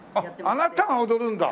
あなたが踊るんだ！